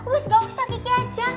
wess gak usah kiki aja